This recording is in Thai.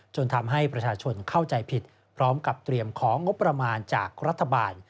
จนทำให้ประชาชนเข้าใจผิดพร้อมกับเตรียมของงบประมาณจากรัฐบาล